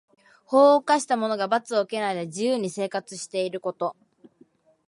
法律を犯した者が罰を受けないで自由に生活していること。